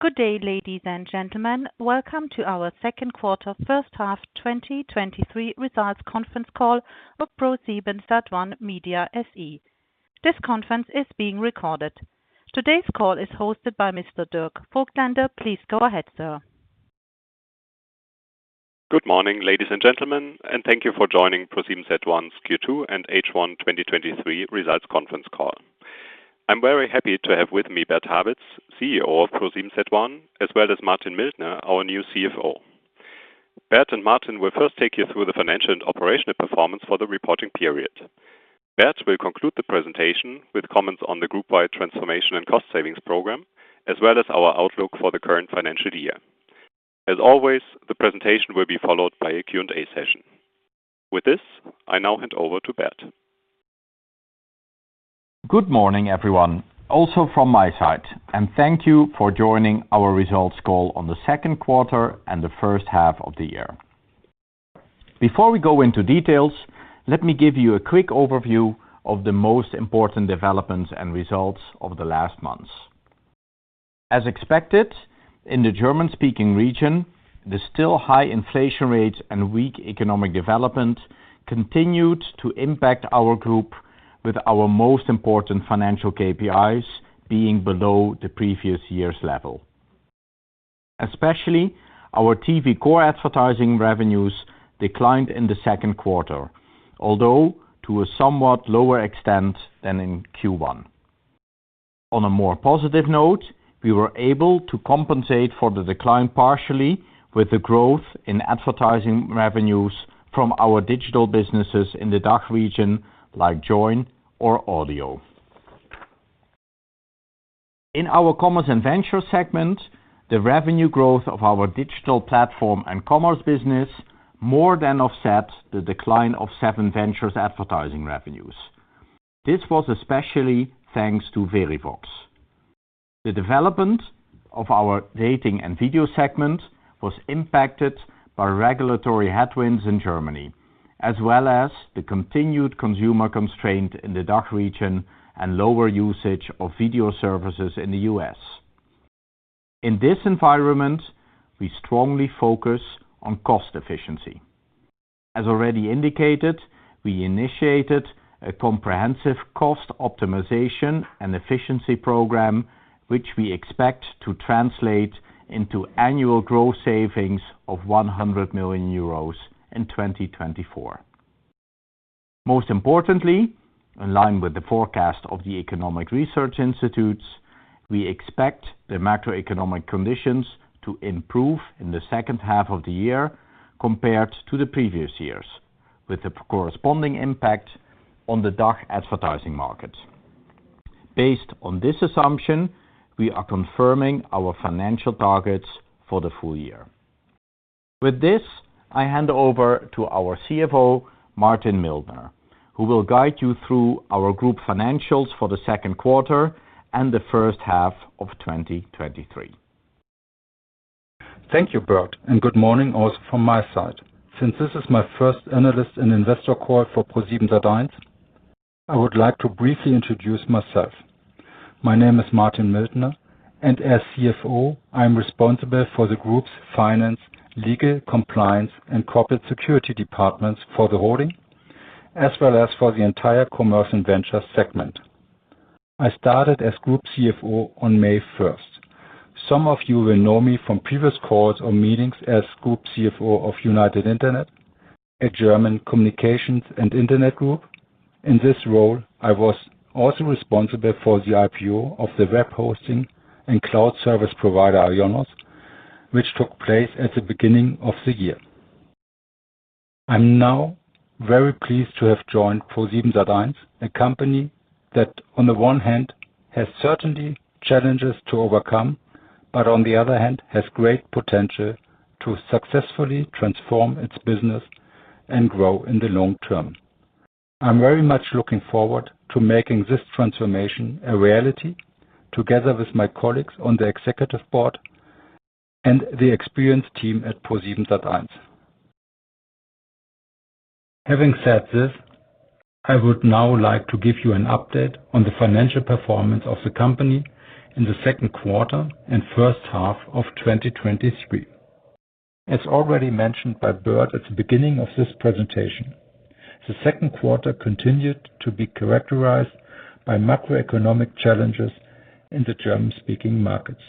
Good day, ladies and gentlemen. Welcome to our second quarter, first half, 2023 results conference call of ProSiebenSat.1 Media SE. This conference is being recorded. Today's call is hosted by Mr. Dirk Voigtländer. Please go ahead, sir. Good morning, ladies and gentlemen, and thank you for joining ProSiebenSat.1 Q2 and H1 2023 results conference call. I'm very happy to have with me Bert Habets, CEO of ProSiebenSat.1, as well as Martin Mildner, our new CFO. Bert and Martin will first take you through the financial and operational performance for the reporting period. Bert will conclude the presentation with comments on the group-wide transformation and cost savings program, as well as our outlook for the current financial year. As always, the presentation will be followed by a Q&A session. With this, I now hand over to Bert. Good morning, everyone, also from my side, and thank you for joining our results call on the second quarter and the first half of the year. Before we go into details, let me give you a quick overview of the most important developments and results of the last months. As expected, in the German-speaking region, the still high inflation rates and weak economic development continued to impact our group, with our most important financial KPIs being below the previous year's level. Especially, our TV core advertising revenues declined in the second quarter, although to a somewhat lower extent than in Q1. On a more positive note, we were able to compensate for the decline partially with the growth in advertising revenues from our digital businesses in the DACH region, like Joyn or Audio. In our commerce and venture segment, the revenue growth of our digital platform and commerce business more than offset the decline of SevenVentures advertising revenues. This was especially thanks to Verivox. The development of our dating and video segment was impacted by regulatory headwinds in Germany, as well as the continued consumer constraint in the DACH region and lower usage of video services in the U.S.. In this environment, we strongly focus on cost efficiency. As already indicated, we initiated a comprehensive cost optimization and efficiency program, which we expect to translate into annual growth savings of 100 million euros in 2024. Most importantly, in line with the forecast of the Economic Research Institutes, we expect the macroeconomic conditions to improve in the second half of the year compared to the previous years, with the corresponding impact on the DACH advertising market. Based on this assumption, we are confirming our financial targets for the full year. With this, I hand over to our CFO, Martin Mildner, who will guide you through our group financials for the second quarter and the first half of 2023. Thank you, Bert, and good morning also from my side. Since this is my first analyst and investor call for ProSiebenSat.1, I would like to briefly introduce myself. My name is Martin Mildner, and as CFO, I'm responsible for the group's finance, legal, compliance, and corporate security departments for the holding, as well as for the entire commercial and venture segment. I started as Group CFO on May first. Some of you will know me from previous calls or meetings as Group CFO of United Internet, a German communications and internet group. In this role, I was also responsible for the IPO of the web hosting and cloud service provider, IONOS, which took place at the beginning of the year. I'm now very pleased to have joined ProSiebenSat.1, a company that on the one hand, has certainly challenges to overcome, but on the other hand, has great potential to successfully transform its business and grow in the long term. I'm very much looking forward to making this transformation a reality together with my colleagues on the executive board and the experienced team at ProSiebenSat.1. Having said this, I would now like to give you an update on the financial performance of the company in the second quarter and first half of 2023. As already mentioned by Bert at the beginning of this presentation, the second quarter continued to be characterized by macroeconomic challenges in the German-speaking markets.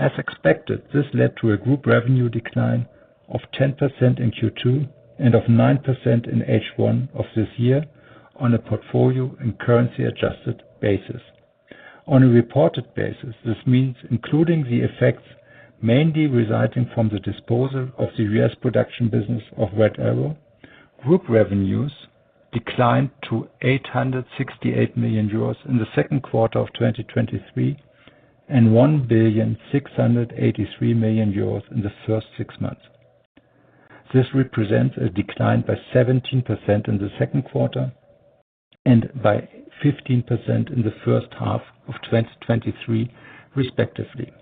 As expected, this led to a group revenue decline of 10% in Q2 and of 9% in H1 of this year on a portfolio and currency-adjusted basis. On a reported basis, this means including the effects, mainly resulting from the disposal of the U.S. production business of Red Arrow. Group revenues declined to 868 million euros in the second quarter of 2023, and 1,683 million euros in the first six months. This represents a decline by 17% in the second quarter and by 15% in the first half of 2023, respectively.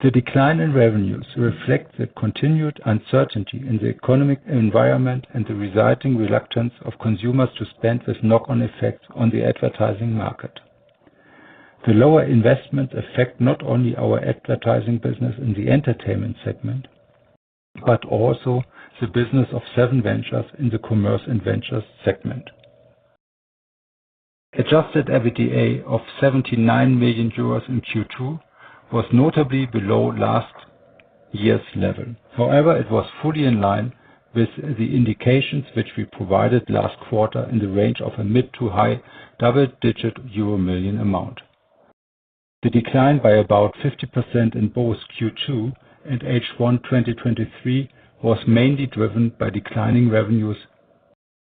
The decline in revenues reflect the continued uncertainty in the economic environment and the resulting reluctance of consumers to spend, with knock-on effect on the advertising market. The lower investment affect not only our advertising business in the Entertainment segment, but also the business of SevenVentures in the Commerce and Ventures Adjusted EBITDA of 79 million euros in Q2, was notably below last year's level. However, it was fully in line with the indications which we provided last quarter in the range of a mid to high double-digit EUR million amount. The decline by about 50% in both Q2 and H1, 2023, was mainly driven by declining revenues,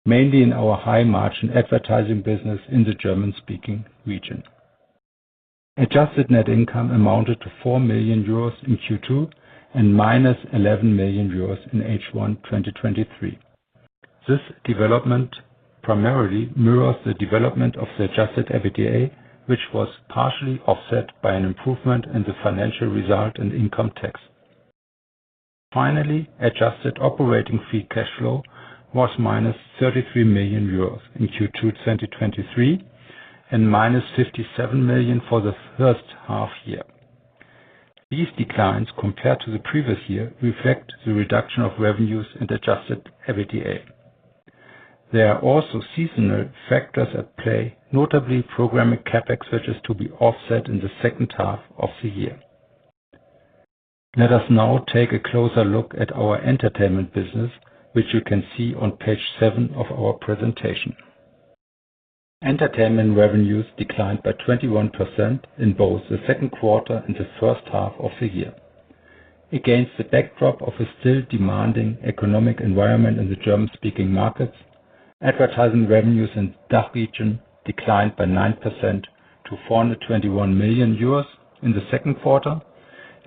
mainly in our high-margin advertising business in the German-speaking region. Adjusted net income amounted to 4 million euros in Q2, and minus 11 million euros in H1, 2023. This development primarily mirrors the development of Adjusted EBITDA, which was partially offset by an improvement in the financial result and income tax. Finally, adjusted operating free cash flow was minus 33 million euros in Q2, 2023, and minus 57 million for the first half year. These declines, compared to the previous year, reflect the reduction of revenues and Adjusted EBITDA. There are also seasonal factors at play, notably programming CapEx, which is to be offset in the second half of the year. Let us now take a closer look at our entertainment business, which you can see on page 7 of our presentation. Entertainment revenues declined by 21% in both the second quarter and the first half of the year. Against the backdrop of a still demanding economic environment in the German-speaking markets, advertising revenues in DACH region declined by 9% to 421 million euros in the second quarter.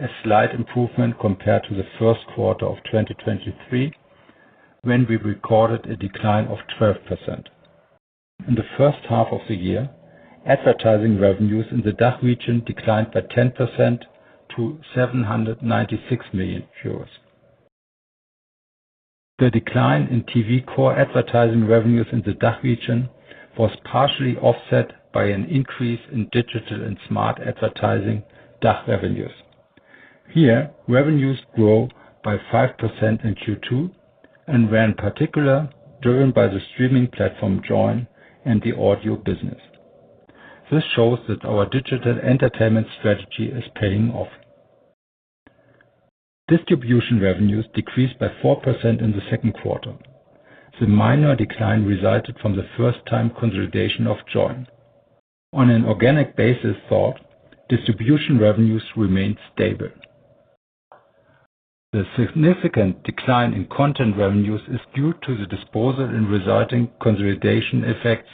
A slight improvement compared to the first quarter of 2023, when we recorded a decline of 12%. In the first half of the year, advertising revenues in the DACH region declined by 10% to 796 million euros. The decline in TV core advertising revenues in the DACH region was partially offset by an increase in digital and smart advertising DACH revenues. Here, revenues grew by 5% in Q2, and were in particular, driven by the streaming platform Joyn and the audio business. This shows that our digital entertainment strategy is paying off. Distribution revenues decreased by 4% in the second quarter. The minor decline resulted from the first time consolidation of Joyn. On an organic basis, though, distribution revenues remained stable. The significant decline in content revenues is due to the disposal and resulting consolidation effects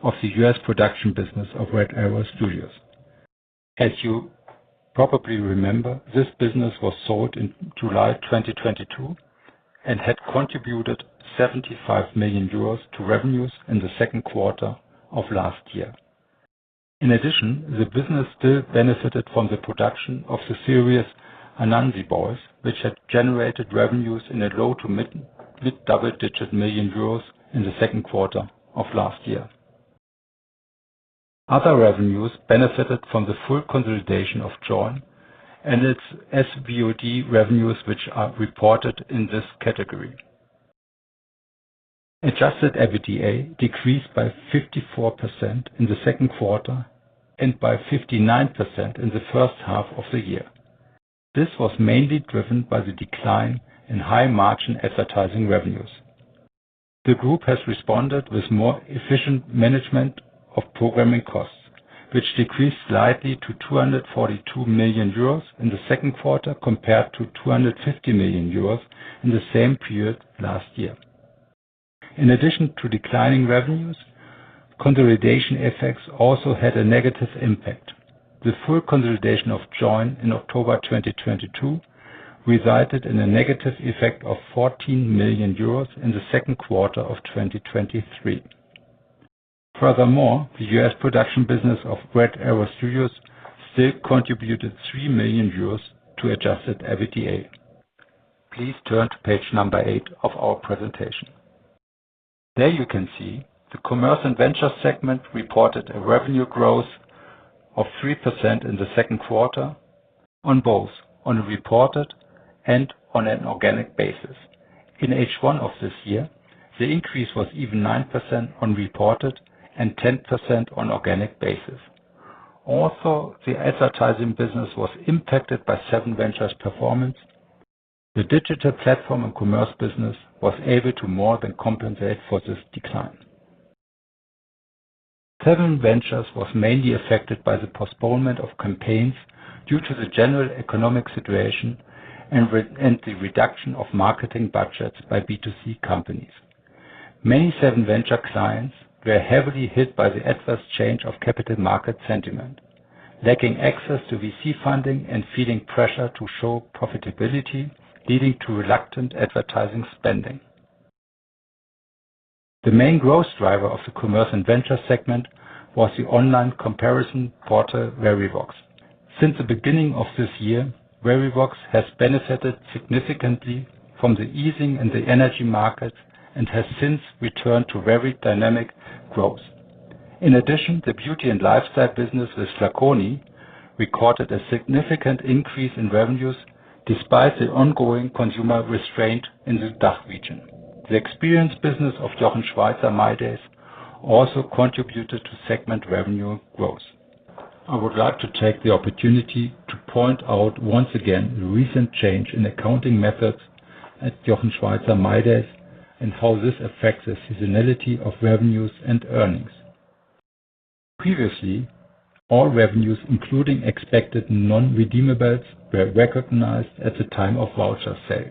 of the U.S. production business of Red Arrow Studios. As you probably remember, this business was sold in July 2022, and had contributed 75 million euros to revenues in the second quarter of last year. The business still benefited from the production of the series, Anansi Boys, which had generated revenues in a low to mid-double digit million EUR in the second quarter of last year. Other revenues benefited from the full consolidation of Joyn and its SVOD revenues, which are reported in this Adjusted EBITDA decreased by 54% in the second quarter, and by 59% in the first half of the year. This was mainly driven by the decline in high-margin advertising revenues. The group has responded with more efficient management of programming costs, which decreased slightly to 242 million euros in the second quarter, compared to 250 million euros in the same period last year. In addition to declining revenues, consolidation effects also had a negative impact. The full consolidation of Joyn in October 2022, resulted in a negative effect of 14 million euros in Q2 2023. Furthermore, the U.S. production business of Red Arrow Studios still contributed 3 million euros Adjusted EBITDA. please turn to page number 8 of our presentation. There you can see the Commerce and Venture segment reported a revenue growth of 3% in Q2 on both, on a reported and on an organic basis. In H1 of this year, the increase was even 9% on reported and 10% on organic basis. The advertising business was impacted by SevenVentures performance. The digital platform and commerce business was able to more than compensate for this decline. SevenVentures was mainly affected by the postponement of campaigns due to the general economic situation and the reduction of marketing budgets by B2C companies. Many SevenVentures clients were heavily hit by the adverse change of capital market sentiment, lacking access to VC funding and feeling pressure to show profitability, leading to reluctant advertising spending. The main growth driver of the Commerce and Venture segment was the online comparison portal, Verivox. Since the beginning of this year, Verivox has benefited significantly from the easing in the energy market and has since returned to very dynamic growth. In addition, the beauty and lifestyle business with flaconi, recorded a significant increase in revenues, despite the ongoing consumer restraint in the DACH region. The experience business of Jochen Schweizer mydays also contributed to segment revenue growth. I would like to take the opportunity to point out once again, the recent change in accounting methods at Jochen Schweizer mydays, and how this affects the seasonality of revenues and earnings. Previously, all revenues, including expected non-redeemables, were recognized at the time of voucher sale.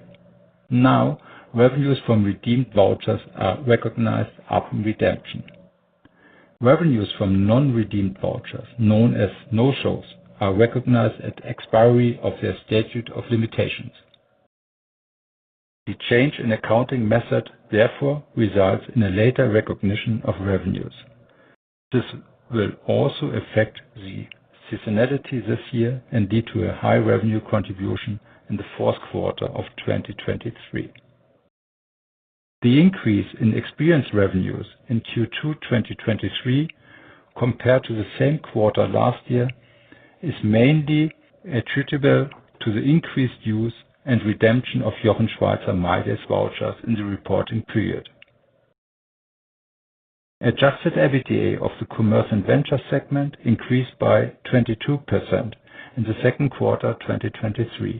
Now, revenues from redeemed vouchers are recognized upon redemption. Revenues from non-redeemed vouchers, known as no-shows, are recognized at expiry of their statute of limitations. The change in accounting method, therefore, results in a later recognition of revenues. This will also affect the seasonality this year and lead to a high revenue contribution in the fourth quarter of 2023. The increase in experience revenues in Q2 2023, compared to the same quarter last year, is mainly attributable to the increased use and redemption of Jochen Schweizer mydays vouchers in the reporting period. Adjusted EBITDA of the Commerce and Venture segment increased by 22% in the second quarter, 2023,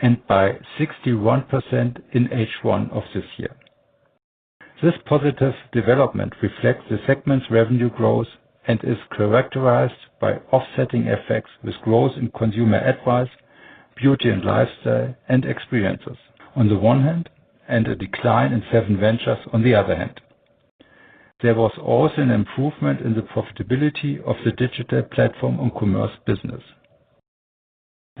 and by 61% in H1 of this year. This positive development reflects the segment's revenue growth and is characterized by offsetting effects with growth in consumer advice, beauty and lifestyle, and experiences on the one hand, and a decline in SevenVentures on the other hand. There was also an improvement in the profitability of the digital platform on commerce business.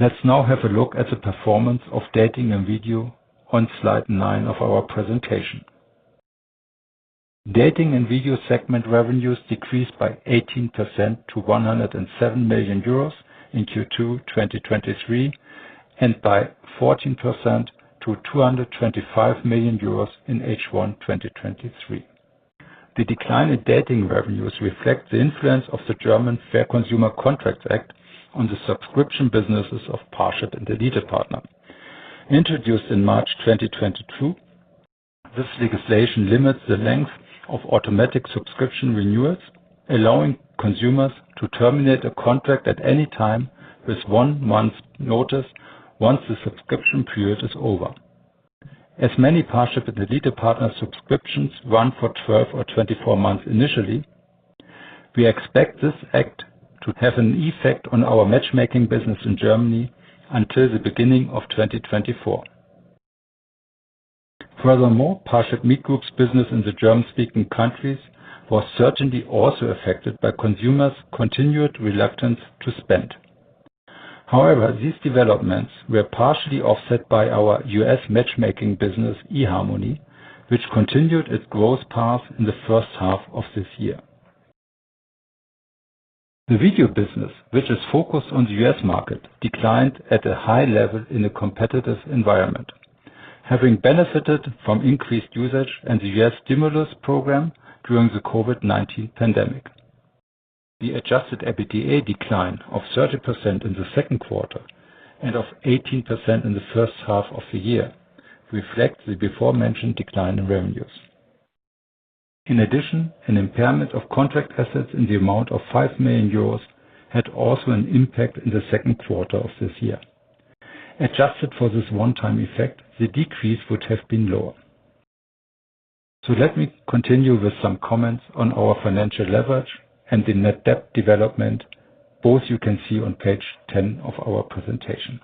Let's now have a look at the performance of Dating and Video on slide nine of our presentation. Dating and Video segment revenues decreased by 18% to 107 million euros in Q2 2023, and by 14% to 225 million euros in H1 2023. The decline in dating revenues reflect the influence of the German Fair Consumer Contracts Act on the subscription businesses of Parship and ElitePartner. Introduced in March 2022, this legislation limits the length of automatic subscription renewals, allowing consumers to terminate a contract at any time with one month's notice once the subscription period is over. As many Parship and ElitePartner subscriptions run for 12 or 24 months initially, we expect this act to have an effect on our matchmaking business in Germany until the beginning of 2024. Furthermore, ParshipMeet Group's business in the German-speaking countries was certainly also affected by consumers' continued reluctance to spend. However, these developments were partially offset by our U.S. matchmaking business, eharmony, which continued its growth path in the first half of this year. The video business, which is focused on the U.S. market, declined at a high level in a competitive environment, having benefited from increased usage and the U.S. stimulus program during the COVID-19 pandemic. Adjusted EBITDA decline of 30% in the second quarter, and of 18% in the first half of the year, reflect the beforementioned decline in revenues. In addition, an impairment of contract assets in the amount of 5 million euros had also an impact in the second quarter of this year. Adjusted for this one-time effect, the decrease would have been lower. Let me continue with some comments on our financial leverage and the net debt development. Both you can see on page 10 of our presentation.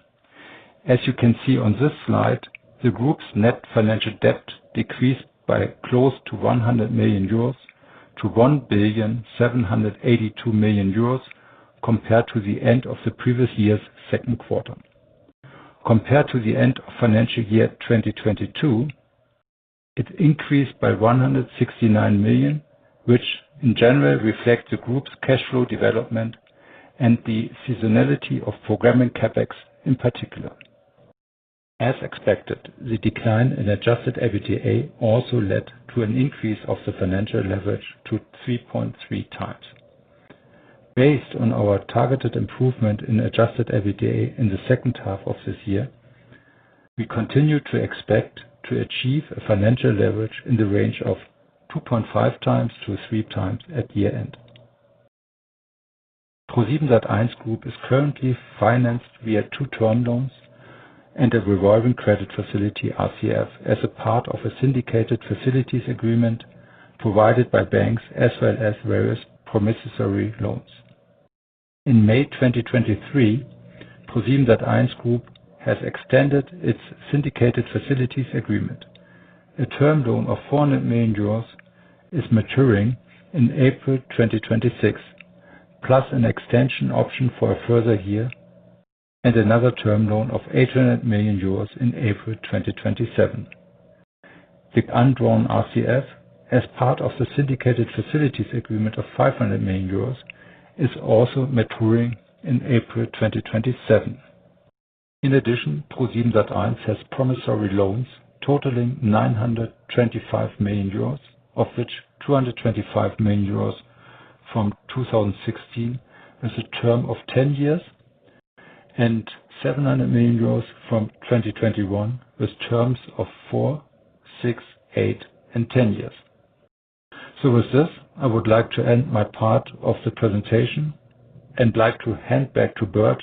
As you can see on this slide, the group's net financial debt decreased by close to 100 million euros, to 1.782 billion, compared to the end of the previous year's second quarter. Compared to the end of financial year 2022, it increased by 169 million, which in general reflect the group's cash flow development and the seasonality of programming CapEx in particular. As expected, the decline Adjusted EBITDA also led to an increase of the financial leverage to 3.3x. Based on our targeted improvement Adjusted EBITDA in the second half of this year, we continue to expect to achieve a financial leverage in the range of 2.5x-3x at year-end. ProSiebenSat.1 Group is currently financed via two term loans and a revolving credit facility, RCF, as a part of a syndicated facilities agreement provided by banks, as well as various promissory loans. In May 2023, ProSiebenSat.1 Group has extended its syndicated facilities agreement. A term loan of 400 million euros is maturing in April 2026, plus an extension option for a further year. Another term loan of 800 million euros in April 2027. The undrawn RCF, as part of the syndicated facilities agreement of 500 million euros, is also maturing in April 2027. In addition, ProSiebenSat.1 has promissory loans totaling 925 million euros, of which 225 million euros from 2016, with a term of 10 years, and 700 million euros from 2021, with terms of four, six, eight, and 10 years. With this, I would like to end my part of the presentation and like to hand back to Bert,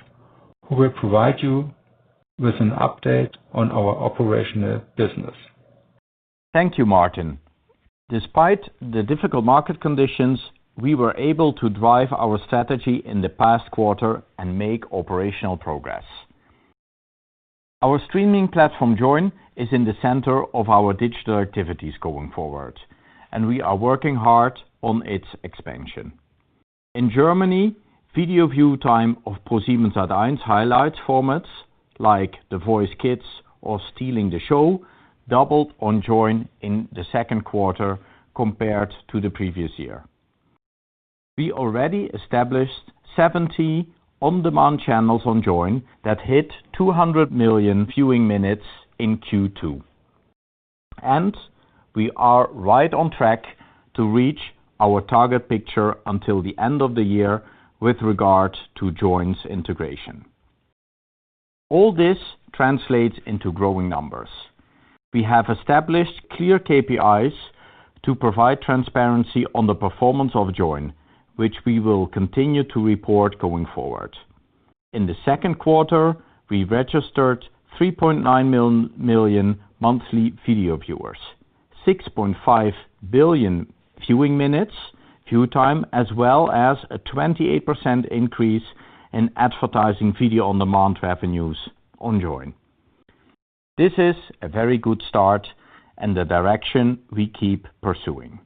who will provide you with an update on our operational business. Thank you, Martin. Despite the difficult market conditions, we were able to drive our strategy in the past quarter and make operational progress. Our streaming platform, Joyn, is in the center of our digital activities going forward, and we are working hard on its expansion. In Germany, video view time of ProSiebenSat.1 highlights formats like The Voice Kids or Stealing the Show, doubled on Joyn in the 2nd quarter compared to the previous year. We already established 70 on-demand channels on Joyn that hit 200 million viewing minutes in Q2. We are right on track to reach our target picture until the end of the year with regard to Joyn's integration. All this translates into growing numbers. We have established clear KPIs to provide transparency on the performance of Joyn, which we will continue to report going forward. In the second quarter, we registered 3.9 million monthly video viewers, 6.5 billion viewing minutes, view time, as well as a 28% increase in advertising video on demand revenues on Joyn. This is a very good start and the direction we keep pursuing.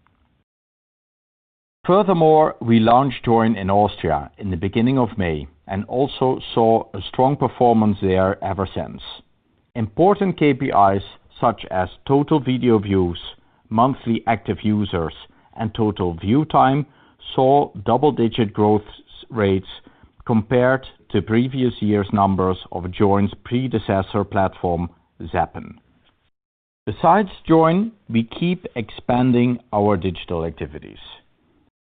Furthermore, we launched Joyn in Austria in the beginning of May and also saw a strong performance there ever since. Important KPIs, such as total video views, monthly active users, and total view time, saw double-digit growth rates compared to previous year's numbers of Joyn's predecessor platform, Zappn. Besides Joyn, we keep expanding our digital activities.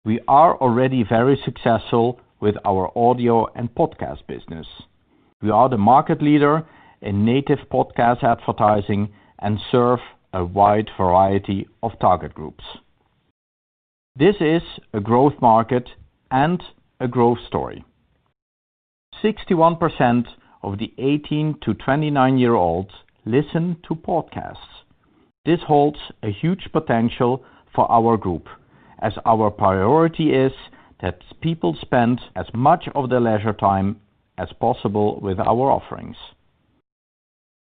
We are already very successful with our audio and podcast business. We are the market leader in native podcast advertising and serve a wide variety of target groups. This is a growth market and a growth story. 61% of the 18-29-year-olds listen to podcasts. This holds a huge potential for our group, as our priority is that people spend as much of their leisure time as possible with our offerings.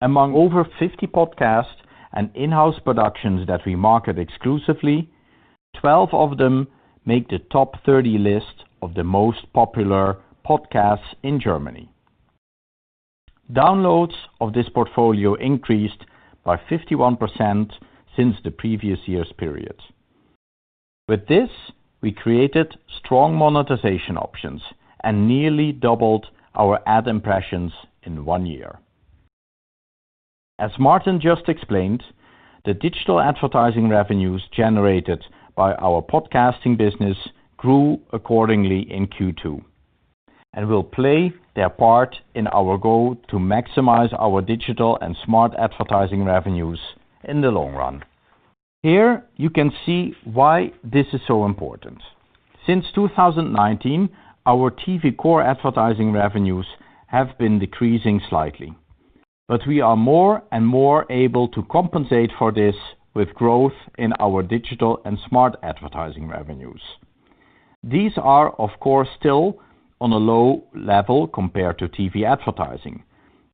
Among over 50 podcasts and in-house productions that we market exclusively, 12 of them make the top 30 list of the most popular podcasts in Germany. Downloads of this portfolio increased by 51% since the previous year's period. With this, we created strong monetization options and nearly doubled our ad impressions in one year. As Martin just explained, the digital advertising revenues generated by our podcasting business grew accordingly in Q2 and will play their part in our goal to maximize our digital and smart advertising revenues in the long run. Here, you can see why this is so important. Since 2019, our TV core advertising revenues have been decreasing slightly, but we are more and more able to compensate for this with growth in our digital and smart advertising revenues. These are, of course, still on a low level compared to TV advertising,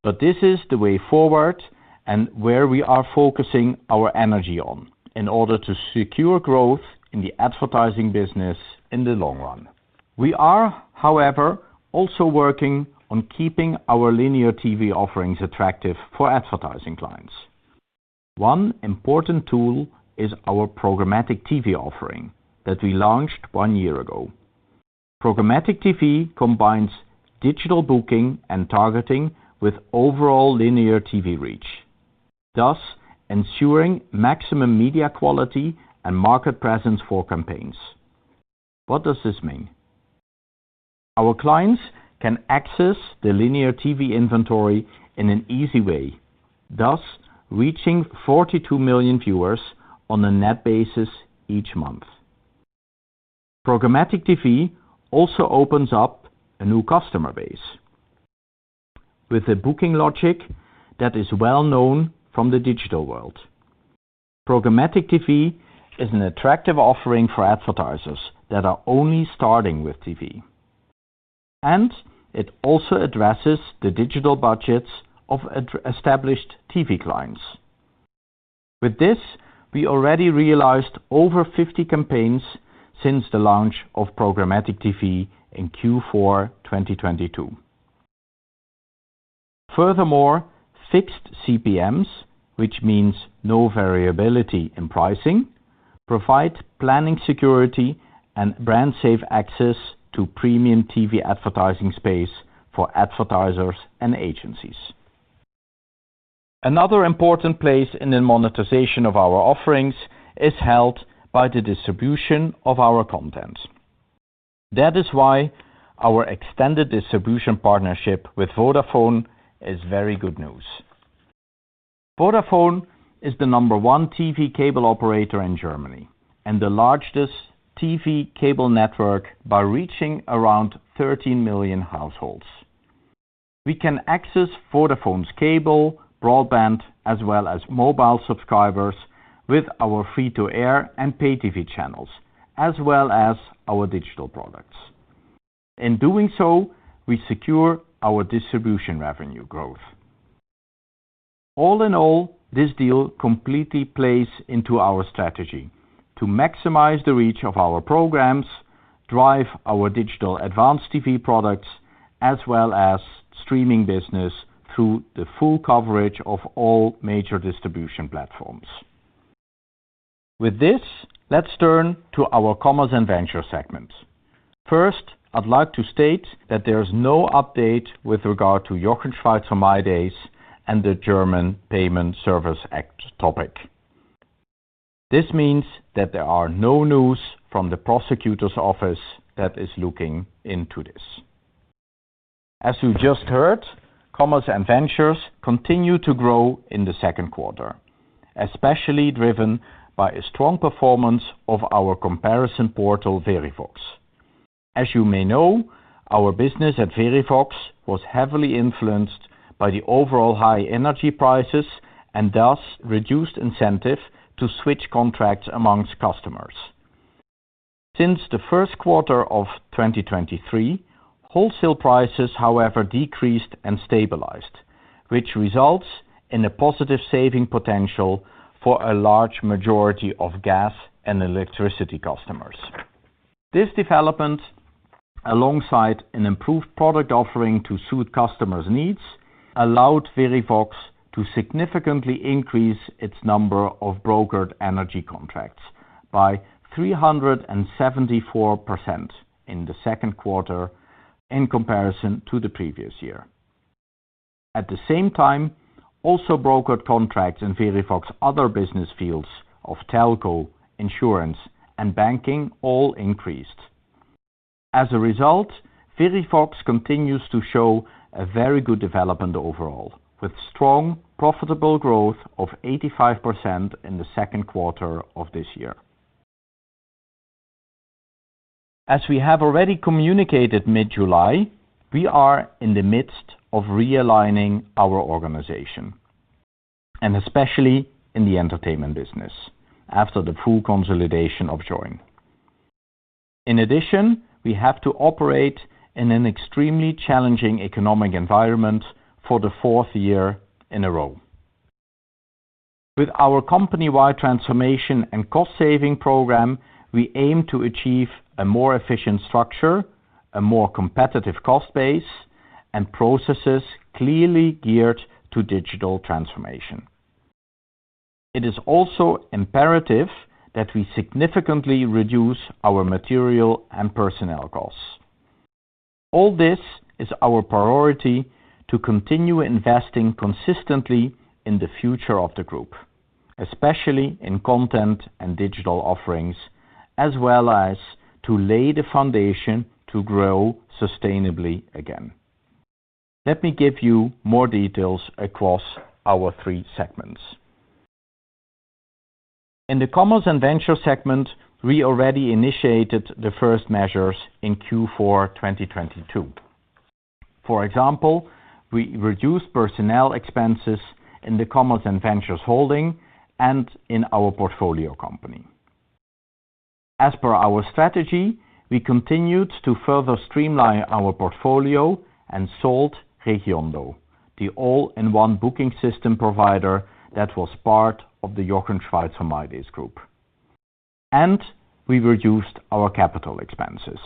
but this is the way forward and where we are focusing our energy on in order to secure growth in the advertising business in the long run. We are, however, also working on keeping our linear TV offerings attractive for advertising clients. One important tool is our Programmatic TV offering that we launched one year ago. Programmatic TV combines digital booking and targeting with overall linear TV reach, thus ensuring maximum media quality and market presence for campaigns. What does this mean? Our clients can access the linear TV inventory in an easy way, thus reaching 42 million viewers on a net basis each month. Programmatic TV also opens up a new customer base with a booking logic that is well known from the digital world. Programmatic TV is an attractive offering for advertisers that are only starting with TV, and it also addresses the digital budgets of established TV clients. With this, we already realized over 50 campaigns since the launch of Programmatic TV in Q4 2022. Furthermore, fixed CPMs, which means no variability in pricing, provide planning security and brand safe access to premium TV advertising space for advertisers and agencies. Another important place in the monetization of our offerings is held by the distribution of our content. That is why our extended distribution partnership with Vodafone is very good news. Vodafone is the number one TV cable operator in Germany, and the largest TV cable network by reaching around 13 million households. We can access Vodafone's cable, broadband, as well as mobile subscribers with our free-to-air and pay TV channels, as well as our digital products. In doing so, we secure our distribution revenue growth. All in all, this deal completely plays into our strategy to maximize the reach of our programs, drive our digital advanced TV products, as well as streaming business through the full coverage of all major distribution platforms. With this, let's turn to our Commerce and Venture segment. First, I'd like to state that there is no update with regard to Jochen Schweizer mydays and the German Payment Services Supervision Act topic. This means that there are no news from the prosecutor's office that is looking into this. As you just heard, Commerce and Ventures continue to grow in the second quarter, especially driven by a strong performance of our comparison portal, Verivox. As you may know, our business at Verivox was heavily influenced by the overall high energy prices, and thus reduced incentive to switch contracts among customers. Since the first quarter of 2023, wholesale prices, however, decreased and stabilized, which results in a positive saving potential for a large majority of gas and electricity customers. This development, alongside an improved product offering to suit customers' needs, allowed Verivox to significantly increase its number of brokered energy contracts by 374% in the second quarter in comparison to the previous year. At the same time, also brokered contracts in Verivox other business fields of telco, insurance, and banking all increased. As a result, Verivox continues to show a very good development overall, with strong, profitable growth of 85% in the second quarter of this year. As we have already communicated mid-July, we are in the midst of realigning our organization, and especially in the entertainment business, after the full consolidation of Joyn. In addition, we have to operate in an extremely challenging economic environment for the fourth year in a row. With our company-wide transformation and cost-saving program, we aim to achieve a more efficient structure, a more competitive cost base, and processes clearly geared to digital transformation. It is also imperative that we significantly reduce our material and personnel costs. All this is our priority to continue investing consistently in the future of the group, especially in content and digital offerings, as well as to lay the foundation to grow sustainably again. Let me give you more details across our three segments. In the Commerce and Venture segment, we already initiated the first measures in Q4, 2022. For example, we reduced personnel expenses in the Commerce and Ventures holding and in our portfolio company. As per our strategy, we continued to further streamline our portfolio and sold Regiondo, the all-in-one booking system provider that was part of the Jochen Schweizer mydays group. We reduced our capital expenses.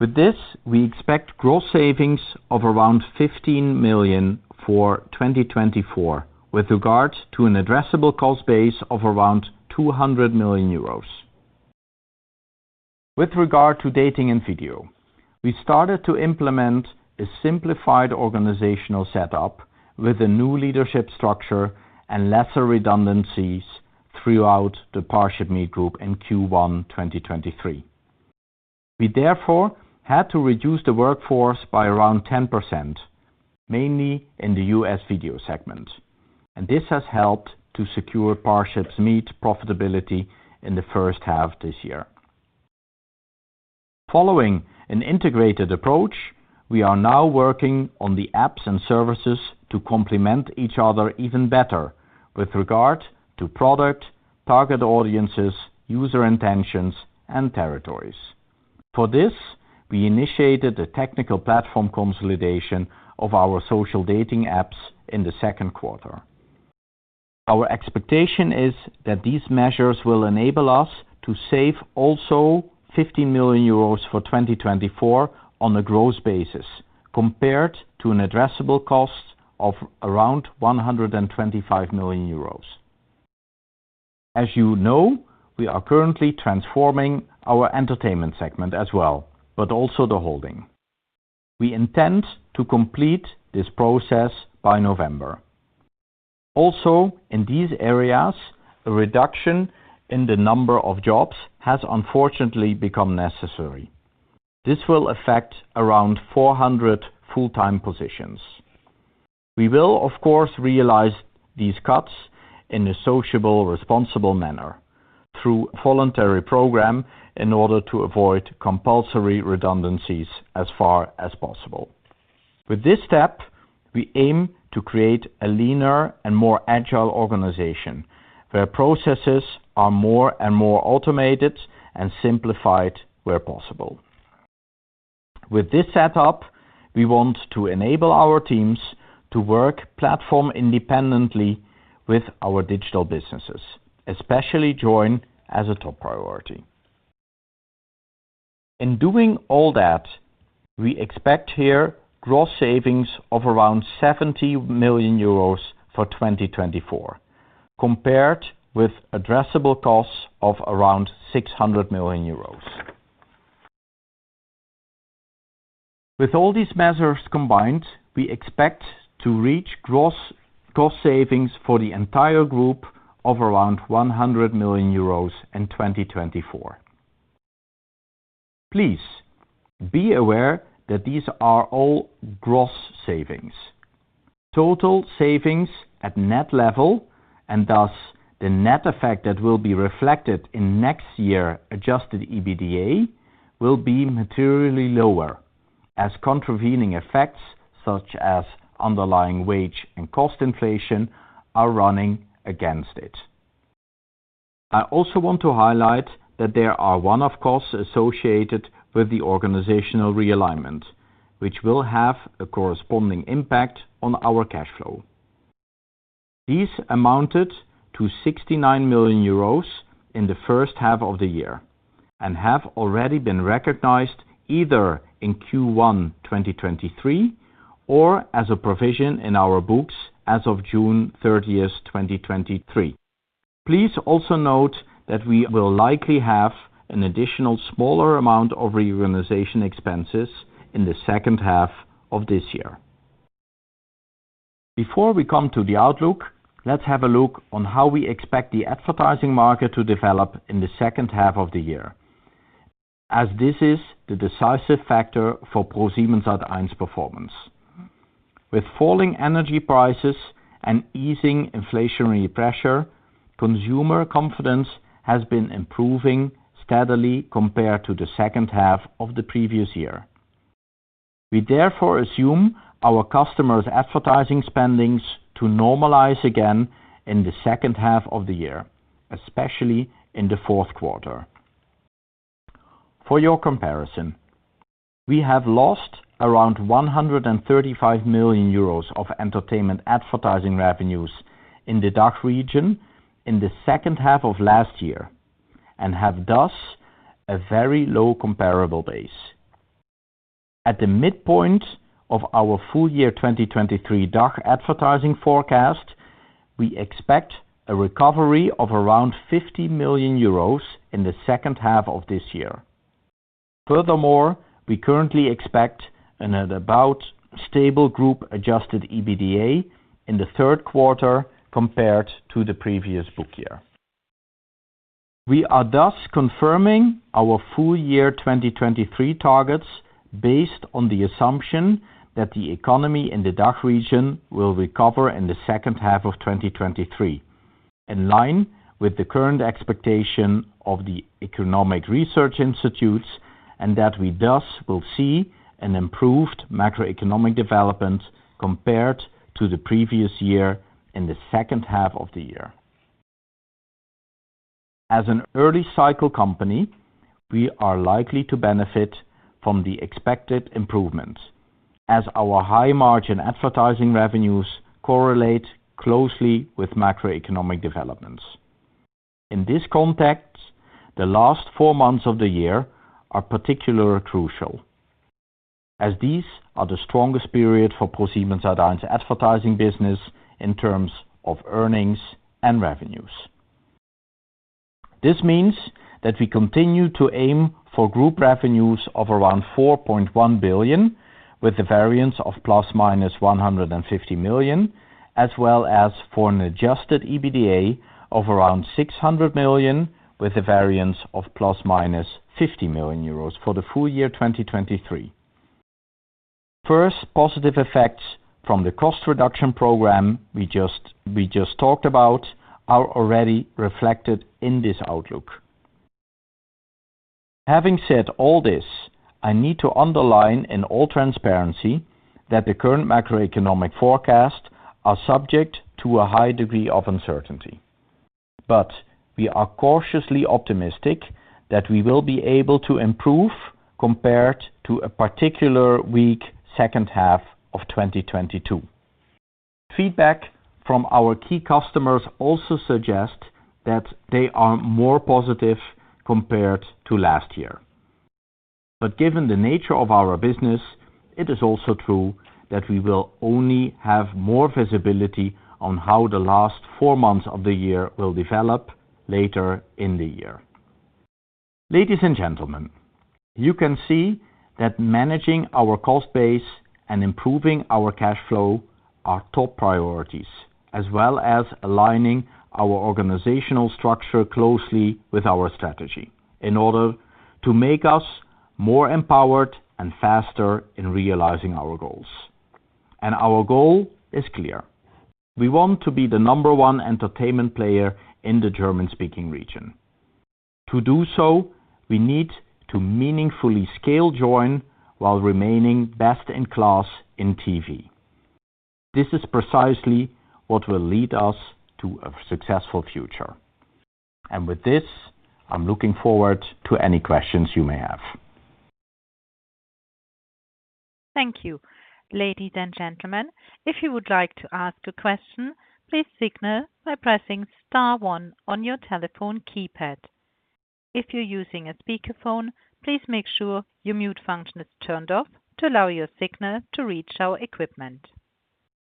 With this, we expect gross savings of around 15 million for 2024, with regard to an addressable cost base of around 200 million euros. With regard to Dating and Video, we started to implement a simplified organizational setup with a new leadership structure and lesser redundancies throughout the ParshipMeet Group in Q1, 2023. We therefore had to reduce the workforce by around 10%, mainly in the U.S. video segment, and this has helped to secure ParshipMeet profitability in the first half this year. Following an integrated approach, we are now working on the apps and services to complement each other even better with regard to product, target audiences, user intentions, and territories. For this, we initiated a technical platform consolidation of our social dating apps in the second quarter. Our expectation is that these measures will enable us to save also 50 million euros for 2024 on a gross basis, compared to an addressable cost of around 125 million euros. As you know, we are currently transforming our entertainment segment as well, but also the holding. We intend to complete this process by November. Also, in these areas, a reduction in the number of jobs has unfortunately become necessary. This will affect around 400 full-time positions. We will, of course, realize these cuts in a sociable, responsible manner through voluntary program in order to avoid compulsory redundancies as far as possible. With this step, we aim to create a leaner and more agile organization, where processes are more and more automated and simplified where possible. With this setup, we want to enable our teams to work platform independently with our digital businesses, especially Joyn as a top priority. In doing all that, we expect here gross savings of around 70 million euros for 2024, compared with addressable costs of around 600 million euros. With all these measures combined, we expect to reach gross cost savings for the entire group of around 100 million euros in 2024. Please, be aware that these are all gross savings. Total savings at net level, and thus the net effect that will be reflected in next Adjusted EBITDA, will be materially lower, as contravening effects, such as underlying wage and cost inflation, are running against it. I also want to highlight that there are one-off costs associated with the organizational realignment, which will have a corresponding impact on our cash flow. These amounted to 69 million euros in the first half of the year and have already been recognized either in Q1 2023, or as a provision in our books as of June 30th, 2023. Please also note that we will likely have an additional smaller amount of reorganization expenses in the second half of this year. Before we come to the outlook, let's have a look on how we expect the advertising market to develop in the second half of the year, as this is the decisive factor for ProSiebenSat.1 performance. With falling energy prices and easing inflationary pressure, consumer confidence has been improving steadily compared to the second half of the previous year. We therefore assume our customers' advertising spendings to normalize again in the second half of the year, especially in the fourth quarter. For your comparison, we have lost around 135 million euros of entertainment advertising revenues in the DACH region in the second half of last year, and have thus a very low comparable base. At the midpoint of our full year 2023 DACH advertising forecast, we expect a recovery of around 50 million euros in the second half of this year. Furthermore, we currently expect an about group-Adjusted EBITDA in the third quarter compared to the previous book year. We are thus confirming our full year 2023 targets based on the assumption that the economy in the DACH region will recover in the second half of 2023, in line with the current expectation of the economic research institutes, and that we thus will see an improved macroeconomic development compared to the previous year in the second half of the year. As an early cycle company, we are likely to benefit from the expected improvements, as our high-margin advertising revenues correlate closely with macroeconomic developments. In this context, the last four months of the year are particularly crucial, as these are the strongest period for ProSiebenSat.1 advertising business in terms of earnings and revenues. This means that we continue to aim for group revenues of around 4.1 billion, with a variance of ±150 million, as well as for Adjusted EBITDA of around 600 million, with a variance of ±50 million euros for the full year 2023. First, positive effects from the cost reduction program we just talked about are already reflected in this outlook. Having said all this, I need to underline in all transparency that the current macroeconomic forecast are subject to a high degree of uncertainty. We are cautiously optimistic that we will be able to improve compared to a particular weak second half of 2022. Feedback from our key customers also suggest that they are more positive compared to last year. Given the nature of our business, it is also true that we will only have more visibility on how the last four months of the year will develop later in the year. Ladies and gentlemen, you can see that managing our cost base and improving our cash flow are top priorities, as well as aligning our organizational structure closely with our strategy, in order to make us more empowered and faster in realizing our goals. Our goal is clear: we want to be the number one entertainment player in the German-speaking region. To do so, we need to meaningfully scale Joyn while remaining best in class in TV. This is precisely what will lead us to a successful future. With this, I'm looking forward to any questions you may have. Thank you. Ladies and gentlemen, if you would like to ask a question, please signal by pressing star one on your telephone keypad. If you're using a speakerphone, please make sure your mute function is turned off to allow your signal to reach our equipment.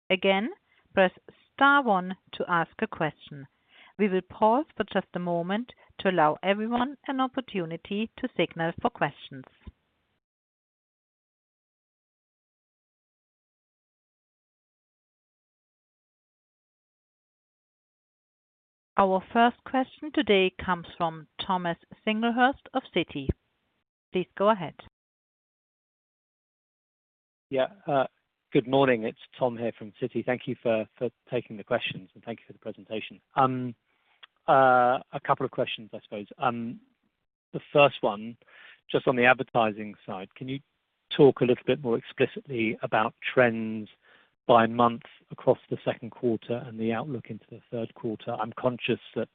Again, press star one to ask a question. We will pause for just a moment to allow everyone an opportunity to signal for questions. Our first question today comes from Thomas Singlehurst of Citi. Please go ahead. Yeah, good morning. It's Tom here from Citi. Thank you for, for taking the questions, and thank you for the presentation. A couple of questions, I suppose. The first one, just on the advertising side, can you talk a little bit more explicitly about trends by month across the second quarter and the outlook into the third quarter? I'm conscious that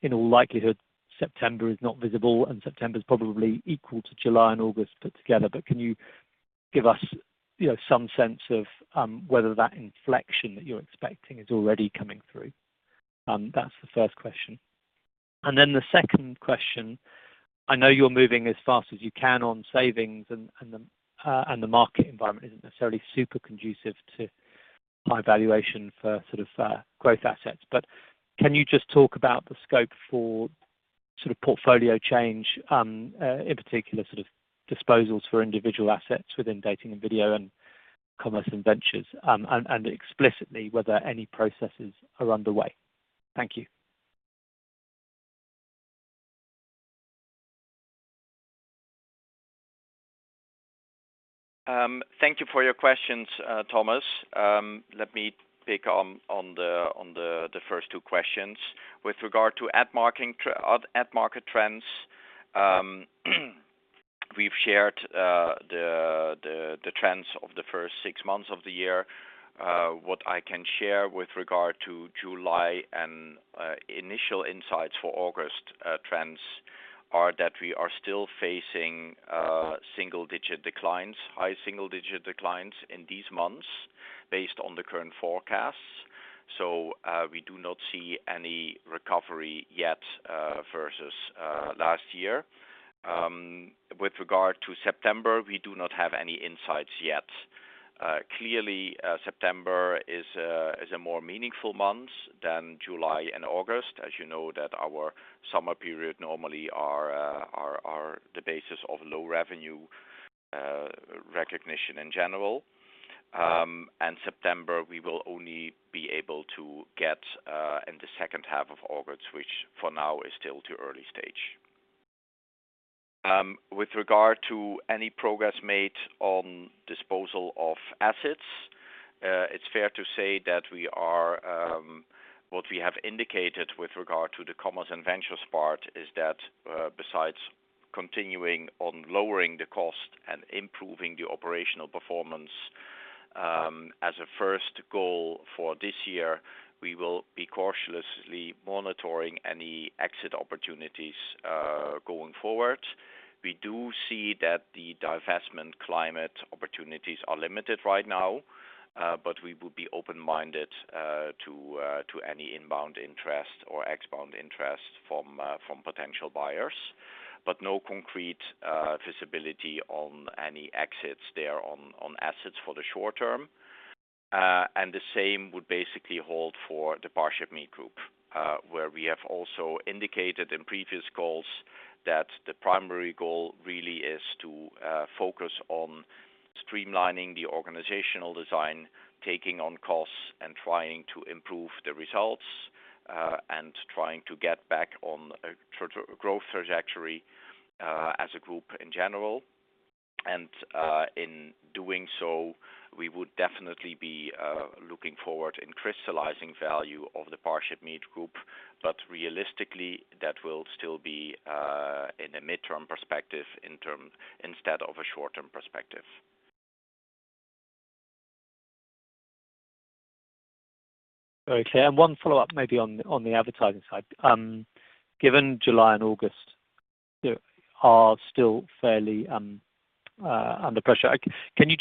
in all likelihood, September is not visible, and September is probably equal to July and August put together. Can you give us, you know, some sense of, whether that inflection that you're expecting is already coming through? That's the first question. Then the second question, I know you're moving as fast as you can on savings and, and the, and the market environment isn't necessarily super conducive to high valuation for sort of growth assets. Can you just talk about the scope for sort of portfolio change, in particular, sort of disposals for individual assets within dating and video and commerce and ventures, and explicitly whether any processes are underway? Thank you. Thank you for your questions, Thomas. Let me pick on the first two questions. With regard to ad market trends, we've shared the trends of the first six months of the year. What I can share with regard to July and initial insights for August, trends are that we are still facing single-digit declines, high single-digit declines in these months based on the current forecasts. We do not see any recovery yet versus last year. With regard to September, we do not have any insights yet. Clearly, September is a more meaningful month than July and August, as you know, that our summer period normally are the basis of low revenue recognition in general. September, we will only be able to get in the second half of August, which for now is still too early stage. With regard to any progress made on disposal of assets, it's fair to say that we are what we have indicated with regard to the commerce and ventures part is that besides continuing on lowering the cost and improving the operational performance, as a first goal for this year, we will be cautiously monitoring any exit opportunities going forward. We do see that the divestment climate opportunities are limited right now, but we would be open-minded to any inbound interest or outbound interest from potential buyers, but no concrete visibility on any exits there on assets for the short term. The same would basically hold for the ParshipMeet Group, where we have also indicated in previous calls that the primary goal really is to focus on streamlining the organizational design, taking on costs, and trying to improve the results and trying to get back on a sort of growth trajectory as a group in general. In doing so, we would definitely be looking forward in crystallizing value of the ParshipMeet Group, but realistically, that will still be in a midterm perspective, in terms instead of a short-term perspective. Very clear. One follow-up maybe on, on the advertising side. Given July and August, are still fairly under pressure, can you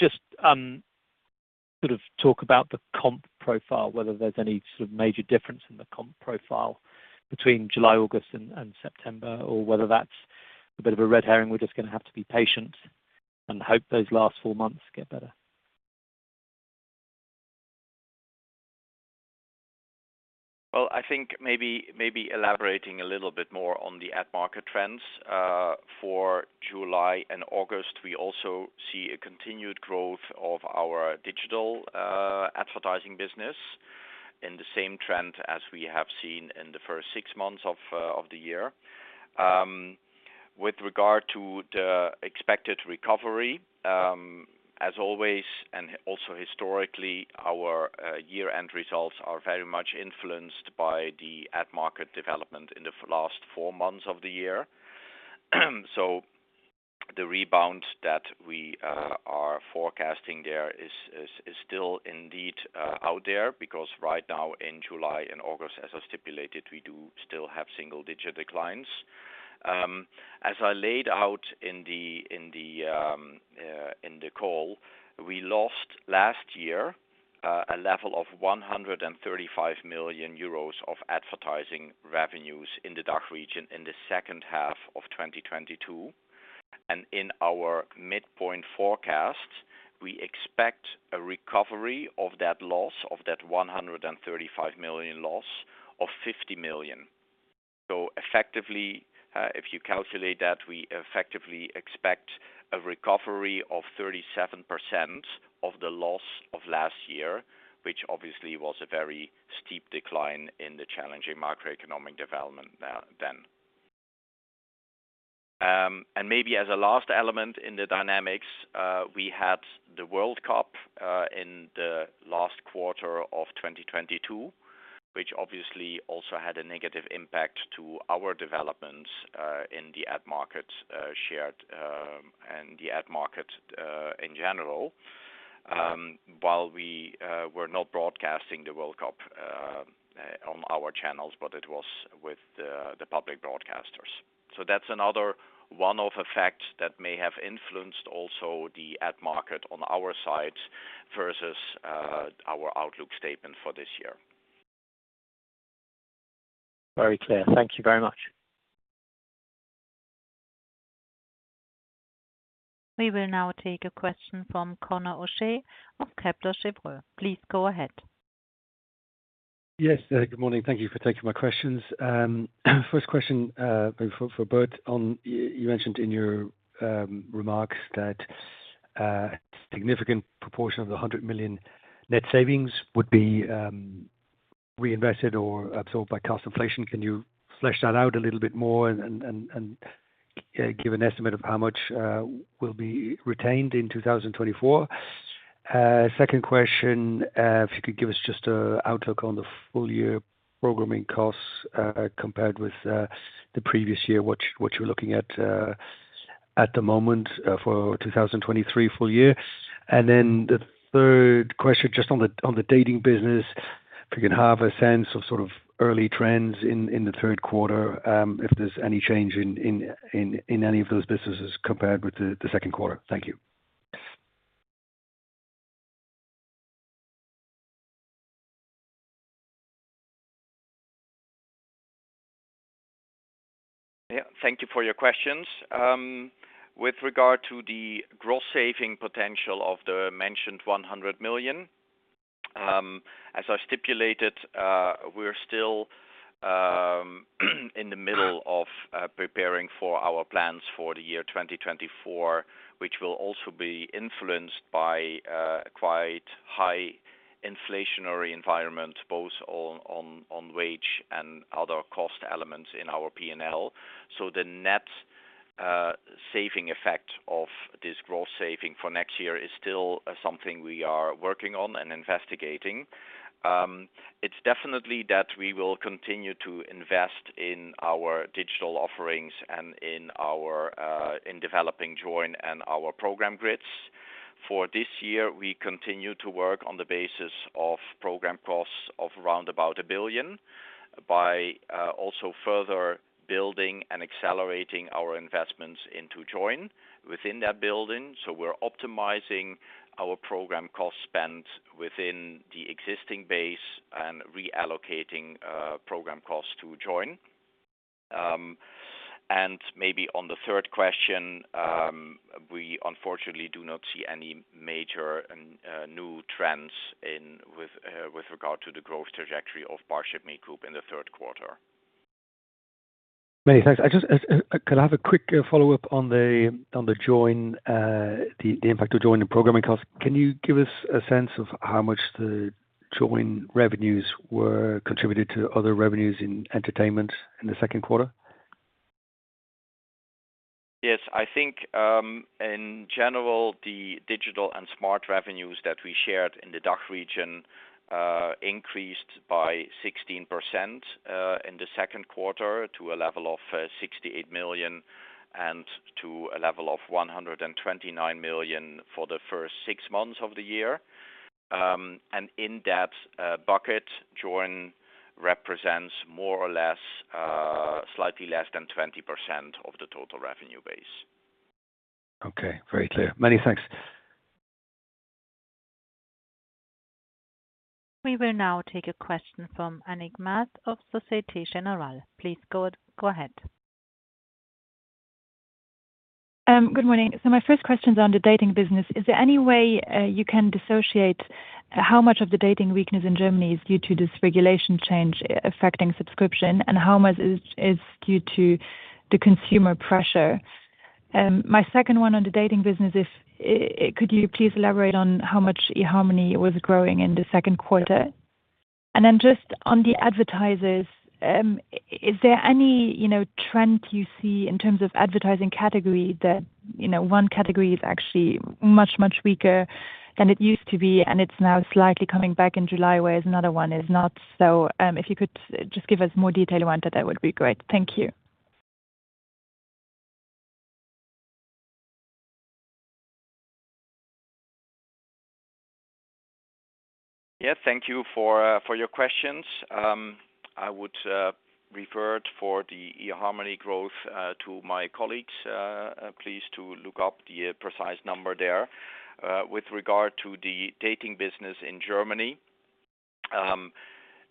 just sort of talk about the comp profile, whether there's any sort of major difference in the comp profile between July, August, and September? Whether that's a bit of a red herring, we're just going to have to be patient and hope those last 4 months get better. Well, I think maybe, maybe elaborating a little bit more on the ad market trends for July and August, we also see a continued growth of our digital advertising business in the same trend as we have seen in the first six months of the year. With regard to the expected recovery, as always, and also historically, our year-end results are very much influenced by the ad market development in the last four months of the year. The rebound that we are forecasting there is still indeed out there, because right now in July and August, as I stipulated, we do still have single-digit declines. As I laid out in the call, we lost last year a level of 135 million euros of advertising revenues in the DACH region in the second half of 2022. In our midpoint forecast, we expect a recovery of that loss, of that 135 million loss of 50 million. Effectively, if you calculate that, we effectively expect a recovery of 37% of the loss of last year, which obviously was a very steep decline in the challenging macroeconomic development then. And maybe as a last element in the dynamics, we had the World Cup in the last quarter of 2022, which obviously also had a negative impact to our development in the ad market shared and the ad market in general. While we were not broadcasting the World Cup on our channels, but it was with the, the public broadcasters. That's another one-off effect that may have influenced also the ad market on our side versus our outlook statement for this year. Very clear. Thank you very much. We will now take a question from Conor O'Shea of Kepler Cheuvreux. Please go ahead. Yes, good morning. Thank you for taking my questions. First question for Bert, you mentioned in your remarks that significant proportion of the 100 million net savings would be reinvested or absorbed by cost inflation. Can you flesh that out a little bit more and give an estimate of how much will be retained in 2024? Second question, if you could give us just an outlook on the full year programming costs, compared with the previous year, what you're looking at at the moment for 2023 full year. Then the third question, just on the dating business, if you can have a sense of sort of early trends in the third quarter, if there's any change in any of those businesses compared with the second quarter. Thank you. Yeah, thank you for your questions. With regard to the gross saving potential of the mentioned 100 million, as I stipulated, we're still in the middle of preparing for our plans for the year 2024, which will also be influenced by quite high inflationary environment, both on wage and other cost elements in our P&L. The net saving effect of this gross saving for next year is still something we are working on and investigating. It's definitely that we will continue to invest in our digital offerings and in our in developing Joyn and our program grids. For this year, we continue to work on the basis of program costs of around about 1 billion by also further building and accelerating our investments into Joyn within that building. We're optimizing our program cost spend within the existing base and reallocating program costs to Joyn. Maybe on the third question, we unfortunately do not see any major and new trends in with regard to the growth trajectory of ParshipMeet Group in the third quarter. Many thanks. Can I have a quick follow-up on the, on the Joyn, the impact of Joyn and programming costs? Can you give us a sense of how much the Joyn revenues were contributed to other revenues in entertainment in the second quarter? Yes. I think, in general, the digital and smart revenues that we shared in the DACH region increased by 16%, in the second quarter to a level of 68 million and to a level of 129 million for the first six months of the year. In-depth, bucket Joyn represents more or less, slightly less than 20% of the total revenue base. Okay, very clear. Many thanks. We will now take a question from Annick Maas of Societe Generale. Please go, go ahead. Good morning. My first question is on the dating business. Is there any way you can dissociate how much of the dating weakness in Germany is due to this regulation change affecting subscription, and how much is due to the consumer pressure? My second one on the dating business, if, could you please elaborate on how much eharmony was growing in the second quarter? Then just on the advertisers, is there any, you know, trend you see in terms of advertising category that, you know, one category is actually much, much weaker than it used to be, and it's now slightly coming back in July, whereas another one is not? If you could just give us more detail on that, that would be great. Thank you. Yes, thank you for for your questions. I would refer for the eharmony growth to my colleagues, please to look up the precise number there. With regard to the dating business in Germany,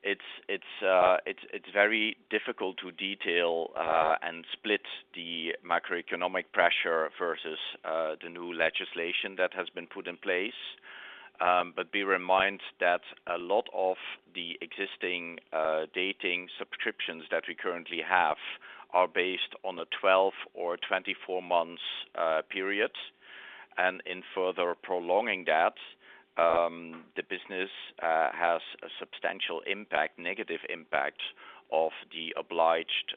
it's, it's, it's, it's very difficult to detail and split the macroeconomic pressure versus the new legislation that has been put in place. Be reminded that a lot of the existing dating subscriptions that we currently have are based on a 12 or 24 months period. In further prolonging that, the business has a substantial impact, negative impact of the obliged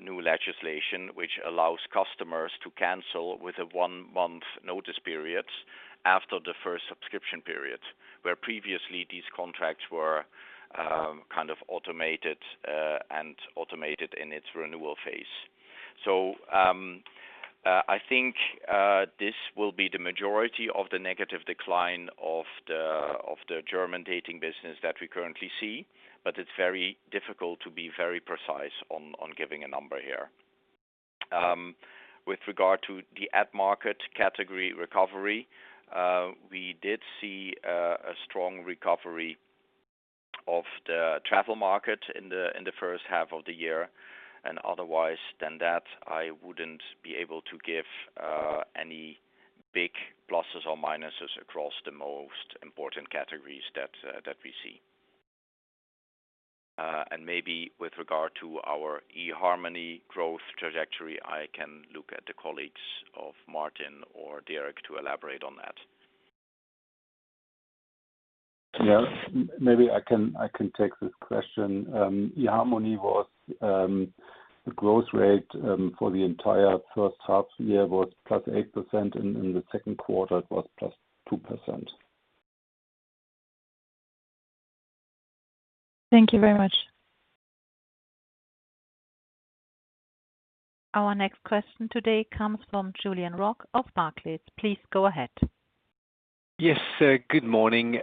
new legislation, which allows customers to cancel with a 1-month notice period after the first subscription period, where previously these contracts were kind of automated and automated in its renewal phase. I think this will be the majority of the negative decline of the German dating business that we currently see, but it's very difficult to be very precise on giving a number here. With regard to the ad market category recovery, we did see a strong recovery of the travel market in the first half of the year. Otherwise than that, I wouldn't be able to give any big pluses or minuses across the most important categories that we see. Maybe with regard to our eharmony growth trajectory, I can look at the colleagues of Martin or Dirk to elaborate on that. Yeah, maybe I can, I can take this question. eHarmony was the growth rate for the entire first half-year was +8%, and in the second quarter, it was +2%. Thank you very much. Our next question today comes from Julien Roch of Barclays. Please go ahead. Yes, good morning.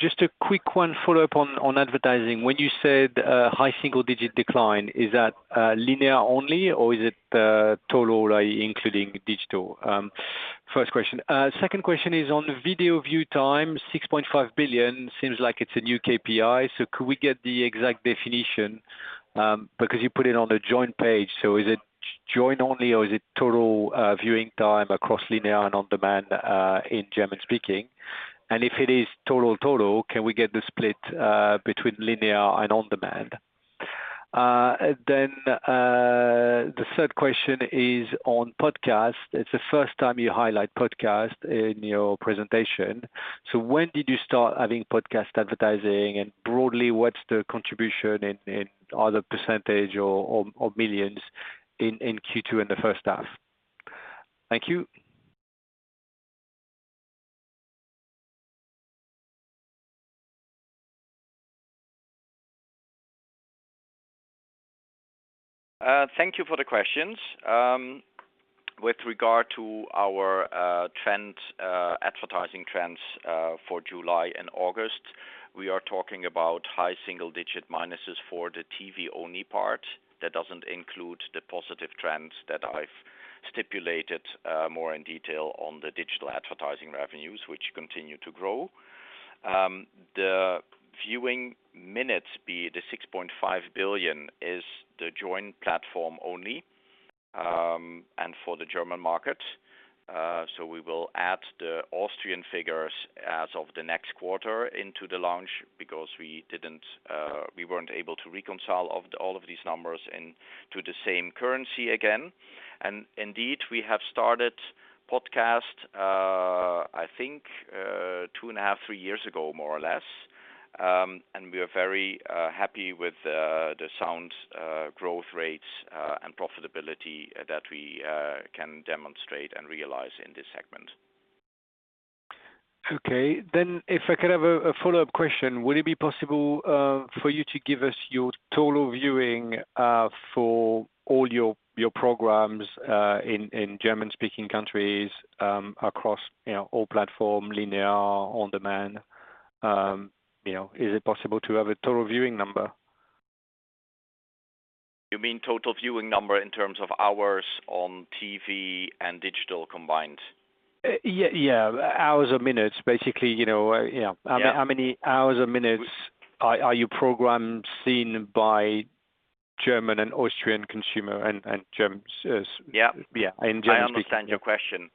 Just a quick one follow-up on, on advertising. When you said, high single digit decline, is that linear only, or is it total including digital? First question. Second question is on the video view time, 6.5 billion seems like it's a new KPI. Could we get the exact definition? Because you put it on the Joyn page, so is it Joyn only, or is it total viewing time across linear and on-demand in German speaking? And if it is total, total, can we get the split between linear and on-demand? The third question is on podcast. It's the first time you highlight podcast in your presentation. When did you start having podcast advertising? Broadly, what's the contribution in either percentage or millions in Q2 in the first half? Thank you. Thank you for the questions. With regard to our trend, advertising trends for July and August, we are talking about high single-digit minuses for the TV-only part. That doesn't include the positive trends that I've stipulated more in detail on the digital advertising revenues, which continue to grow. The viewing minutes, be the 6.5 billion, is the joint platform only and for the German market. We will add the Austrian figures as of the next quarter into the launch because we didn't, we weren't able to reconcile of all of these numbers into the same currency again. Indeed, we have started podcast, I think, 2.5, 3 years ago, more or less. We are very happy with the sound growth rates and profitability that we can demonstrate and realize in this segment. Okay. If I could have a, a follow-up question. Would it be possible for you to give us your total viewing for all your, your programs in German-speaking countries across, you know, all platforms, linear, on-demand? You know, is it possible to have a total viewing number? You mean total viewing number in terms of hours on TV and digital combined? Yeah, yeah. Hours or minutes, basically, you know, yeah. Yeah. How how many hours or minutes are, are your programs seen by German and Austrian consumer and, and Germans? Yeah. Yeah, in German-speaking- I understand your question.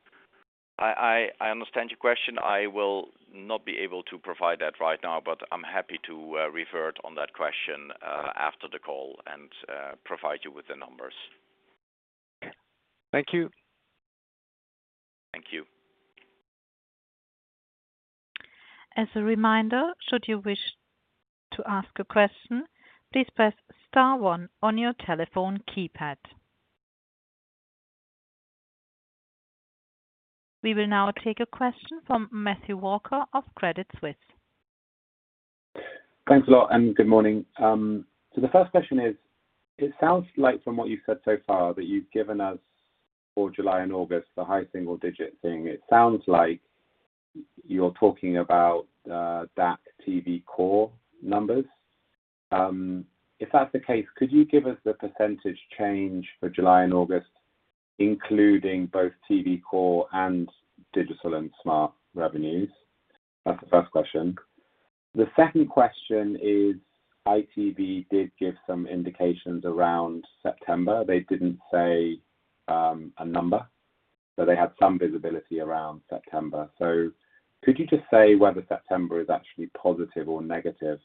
I understand your question. I will not be able to provide that right now, but I'm happy to revert on that question after the call and provide you with the numbers. Thank you. Thank you. As a reminder, should you wish to ask a question, please press star one on your telephone keypad. We will now take a question from Matthew Walker of Credit Suisse. Thanks a lot, good morning. The first question is: it sounds like from what you've said so far, that you've given us for July and August, the high single-digit thing, it sounds like you're talking about that TV core numbers. If that's the case, could you give us the percentage change for July and August, including both TV core and digital and smart revenues? That's the first question. The second question is, ITV did give some indications around September. They didn't say a number, but they had some visibility around September. Could you just say whether September is actually positive or negative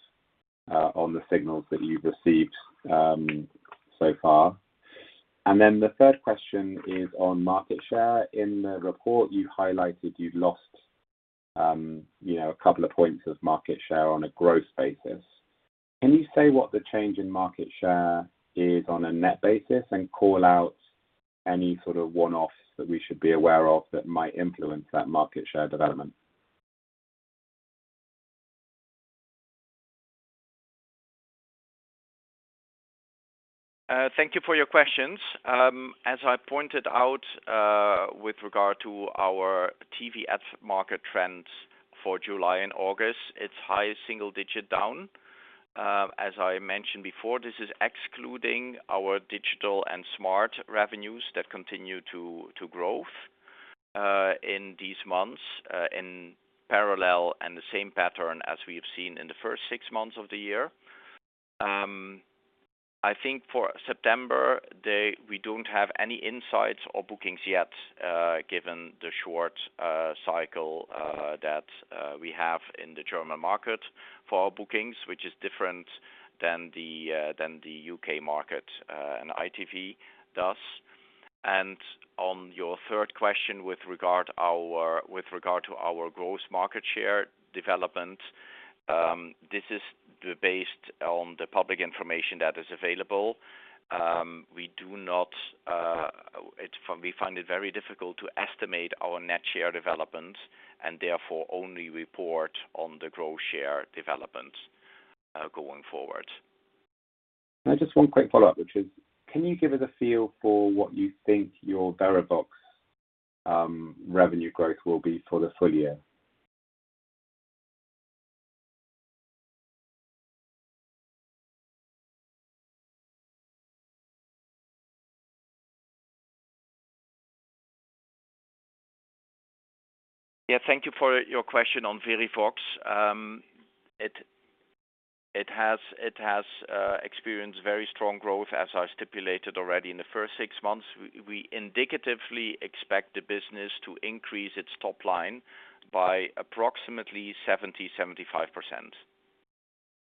on the signals that you've received so far? The third question is on market share. In the report you highlighted you've lost, you know, a couple of points of market share on a gross basis. Can you say what the change in market share is on a net basis and call out any sort of one-offs that we should be aware of that might influence that market share development? Thank you for your questions. As I pointed out, with regard to our TV ad market trends for July and August, it's high single-digit down. As I mentioned before, this is excluding our digital and smart revenues that continue to, to growth in these months, in parallel and the same pattern as we have seen in the first six months of the year. I think for September, we don't have any insights or bookings yet, given the short cycle that we have in the German market for our bookings, which is different than the U.K. market and ITV does. On your third question with regard to our gross market share development, this is based on the public information that is available. We do not... We find it very difficult to estimate our net share development and therefore only report on the growth share development, going forward. Just one quick follow-up, which is, can you give us a feel for what you think your Verivox revenue growth will be for the full year? Yeah, thank you for your question on Verivox. It, it has, it has experienced very strong growth, as I stipulated already in the first six months. We, we indicatively expect the business to increase its top line by approximately 70%-75%.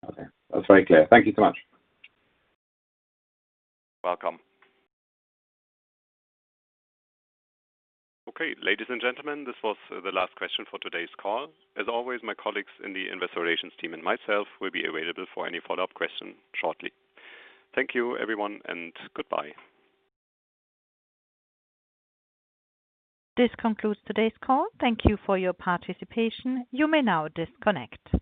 Okay. That's very clear. Thank you so much. Welcome. Okay, ladies and gentlemen, this was the last question for today's call. As always, my colleagues in the investor relations team and myself will be available for any follow-up question shortly. Thank you, everyone, and goodbye. This concludes today's call. Thank you for your participation. You may now disconnect.